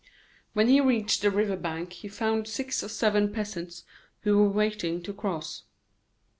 When he reached the river bank he found six or seven peasants who were waiting to cross.